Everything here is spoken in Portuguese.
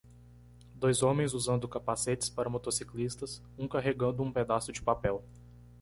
Dois homens usando capacetes para motociclistas? um carregando um pedaço de papel.